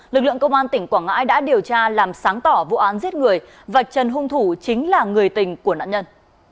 lực lượng công an tỉnh quảng ngãi đã điều tra làm sáng tỏ vụ án giết người vạch chân hung thủ chính là người tình của nạn nhân